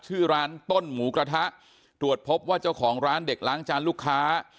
ชื่อร้านต้นหมูกระทะตรวจพบว่าเจ้าของร้านเด็กล้างจานลูกค้า